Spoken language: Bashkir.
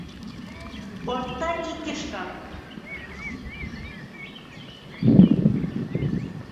Артта ике шкаф.